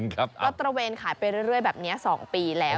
ก็ตระเวนขายไปเรื่อยแบบนี้๒ปีแล้ว